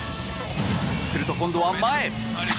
すると今度は前。